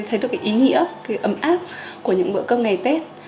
thấy được cái ý nghĩa cái ấm áp của những bữa cơm ngày tết